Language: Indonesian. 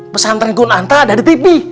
pesantren kun anta ada di tv